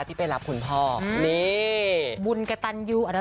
ที่ไปรับคุณพ่อบุญกับตัญญูอ่ะนะ